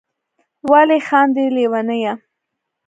ولي خاندی ليونيه